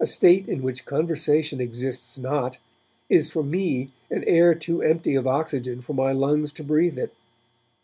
A state in which conversation exists not, is for me an air too empty of oxygen for my lungs to breathe it.